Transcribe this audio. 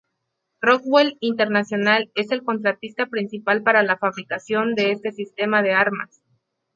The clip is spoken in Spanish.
Rockwell International es el contratista principal para la fabricación de este sistema de armas.